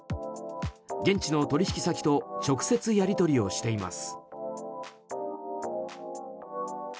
現地の取引先と直接やり取りをしています。